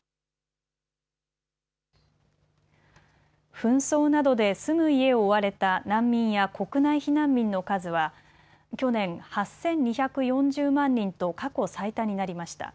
紛争などで住む家を追われた難民や国内避難民の数は去年、８２４０万人と過去最多になりました。